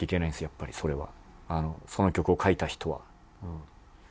やっぱりそれは。